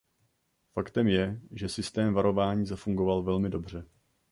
Faktem je, že systém varování zafungoval velmi dobře.